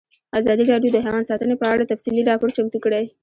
ازادي راډیو د حیوان ساتنه په اړه تفصیلي راپور چمتو کړی.